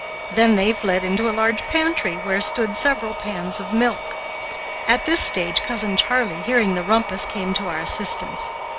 Then they fled into a large pantry where stood several pans of milk. At this stage Cousin Charley, hearing the rumpus, came to our assistance.